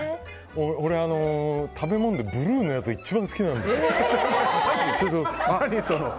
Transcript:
俺、食べ物でブルーのやつが一番好きなんですよ。